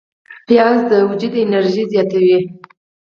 پیاز د وجود انرژي زیاتوي